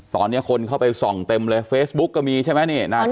ตอนนี้คนเข้าไปส่องเต็มเลยเฟซบุ๊กก็มีใช่ไหมนี่